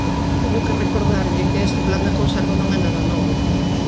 Teño que recordarlle que este plan da conserva non é nada novo.